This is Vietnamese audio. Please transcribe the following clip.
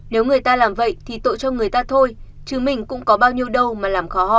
nếu người ta làm vậy thì tội cho người ta thôi chứ mình cũng có bao nhiêu đâu mà làm khó họ